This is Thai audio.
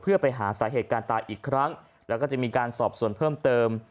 เพื่อไปหาสาเหตุการณ์ตายอีกครั้งแล้วก็จะมีการสอบส่วนเพิ่มเติม